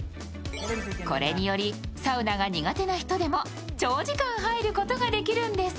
これにより、サウナが苦手な人でも長時間入ることができるんです。